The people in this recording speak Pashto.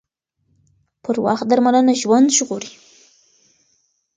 پر وخت درملنه ژوند ژغوري